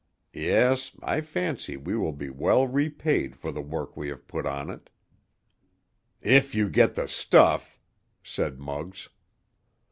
Yes—I fancy we will be well repaid for the work we have put on it." "If you get the stuff!" said Muggs.